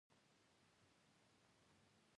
انسانان د اړتیا په وخت کې له یو بل سره مرسته کوي.